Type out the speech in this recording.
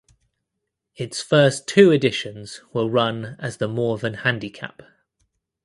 Its first two editions were run as the Morven Handicap.